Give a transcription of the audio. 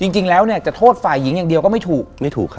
จริงแล้วจะโทษฝ่ายหญิงอย่างเดียวก็ไม่ถูก